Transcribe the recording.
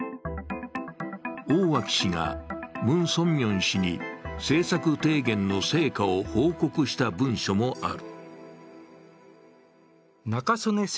大脇氏が文鮮明氏に政策提言の成果を報告した文書もある。